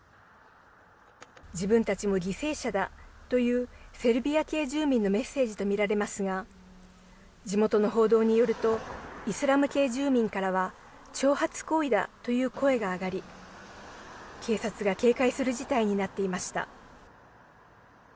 自分たちも犠牲者だというセルビア系住民のメッセージと見られますが地元の報道によるとイスラム系住民からは挑発行為だという声が上がり警察が警戒する事態になっていました。